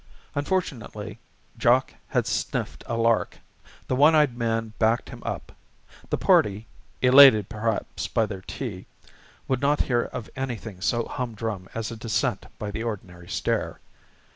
Unfortunately, Jock had sniffed a lark; the one eyed man backed him up; the party elated perhaps by their tea would not hear of anything so humdrum as a descent by the ordinary stair.